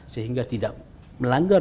sehingga tidak melanggar